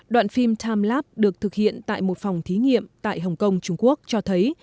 đoạn phim tham lab được thực hiện tại một phòng thí nghiệm tại hồng kông trung quốc cho thấy